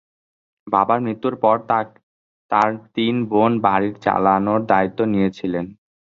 বাবার মৃত্যুর পরে তার তিন বোন বাড়ি চালানোর দায়িত্ব নিয়েছিলেন।